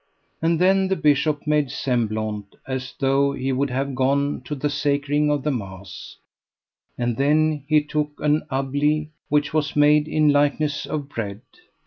And then the bishop made semblaunt as though he would have gone to the sacring of the mass. And then he took an ubblie which was made in likeness of bread.